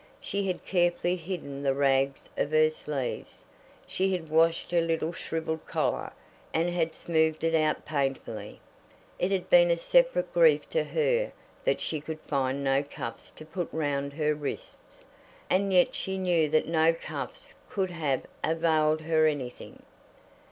She had carefully hidden the rags of her sleeves. She had washed her little shrivelled collar, and had smoothed it out painfully. It had been a separate grief to her that she could find no cuffs to put round her wrists; and yet she knew that no cuffs could have availed her anything.